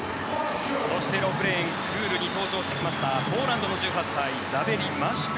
そして６レーンクールに登場してきましたポーランドの１８歳ザベリ・マシュク。